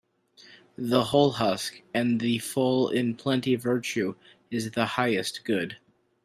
The hull husk and the full in plenty Virtue is the highest good